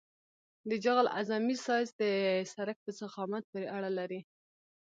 د جغل اعظمي سایز د سرک په ضخامت پورې اړه لري